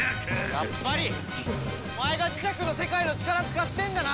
やっぱりお前が磁石の世界の力使ってんだな！